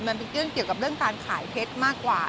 มันเป็นเรื่องเกี่ยวกับเรื่องการขายเพชรมากกว่า